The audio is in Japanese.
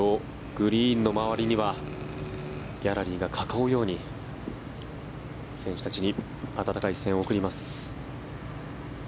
グリーンの周りにはギャラリーが囲うように選手たちに温かい声援を送ります。